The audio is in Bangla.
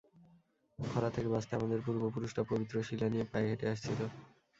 খরা থেকে বাঁচতে, আমাদের পূর্বপুরুষরা পবিত্র শিলা নিয়ে পায়ে হেঁটে আসছিল।